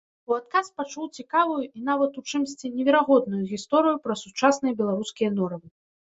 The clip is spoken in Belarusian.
У адказ пачуў цікавую і нават у чымсьці неверагодную гісторыю пра сучасныя беларускія норавы.